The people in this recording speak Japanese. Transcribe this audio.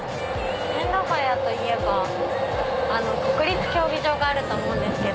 千駄ヶ谷といえば国立競技場があると思うんですけど。